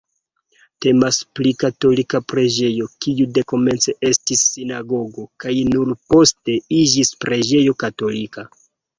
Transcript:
Temas pri katolika preĝejo, kiu dekomence estis sinagogo kaj nur poste iĝis preĝejo katolika.